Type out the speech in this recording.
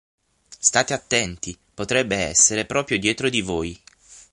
State attenti, potrebbe essere proprio dietro di voi.